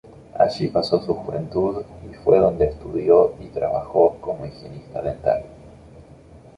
Allí pasó su juventud y fue donde estudió y trabajo como higienista dental.